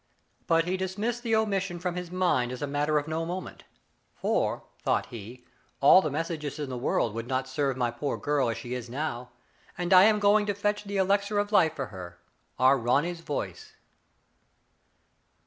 But he dis missed the omission from his mind as a matter of no moment ;" for/' thought he, " all the mes sages in the world would not serve my poor girl as she now is, and I am going to fetch the elixir of life for her — our Ronny's voice.